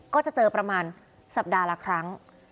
ก็จะเจอประมาณสัปดาห์ละครั้ง